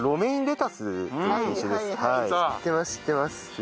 知ってます。